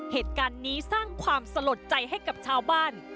เหตุการณ์นี้สร้างความสลดใจให้กับชาวบ้าน